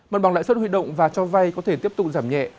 mặt bằng lãi suất huy động và cho vay có thể tiếp tục giảm nhẹ